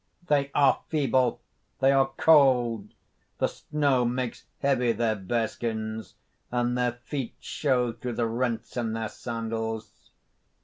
"They are feeble! They are cold! The snow makes heavy their bearskins; and their feet show through the rents in their sandals.